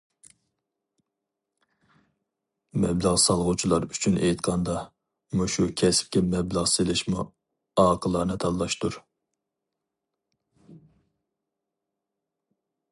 مەبلەغ سالغۇچىلار ئۈچۈن ئېيتقاندا، مۇشۇ كەسىپكە مەبلەغ سېلىشمۇ ئاقىلانە تاللاشتۇر.